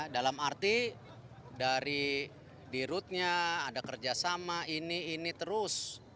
dalam arti dari dirutnya ada kerjasama ini ini terus